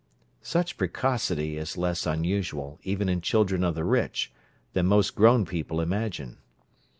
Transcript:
Such precocity is less unusual, even in children of the Rich, than most grown people imagine.